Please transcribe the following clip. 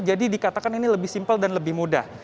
jadi dikatakan ini lebih simpel dan lebih mudah